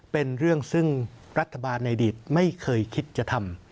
เป็นเรื่องซึ่งรัฐบาลในอดีตไม่เคยคิดจะทำ